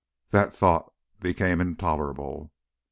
That thought became intolerable.